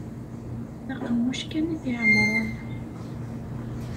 D aqemmuc kan i t-iɛemmren.